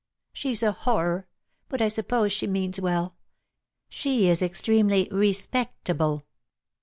"She's a horror; but I suppose she means well. She is extremely respectable."